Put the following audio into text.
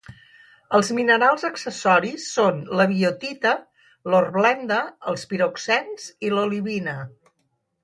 Els minerals accessoris són la biotita, l'hornblenda, els piroxens i l'olivina.